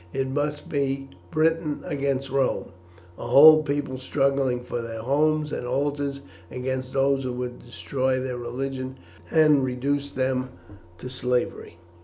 It must be Britain against Rome a whole people struggling for their homes and altars against those who would destroy their religion and reduce them to slavery."